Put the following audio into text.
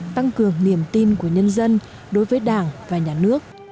tăng cường niềm tin của nhân dân đối với đảng và nhà nước